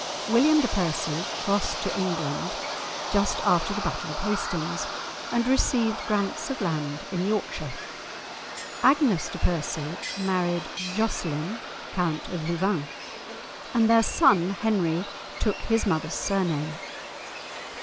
William de Percy crossed to England just after the battle of Hastings, and received grants of land in Yorkshire. Agnes de Percy married Jocelin, Count of Louvain, and their son Henry took his mother's surname.